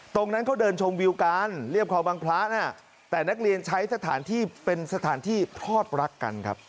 ตรงนั้นเขาเดินชมวิวกันเรียบคลองบังพระนะแต่นักเรียนใช้สถานที่เป็นสถานที่พลอดรักกันครับ